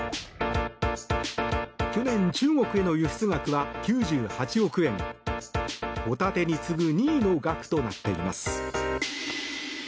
去年、中国への輸出額は９８億円ホタテに次ぐ２位の額となっています。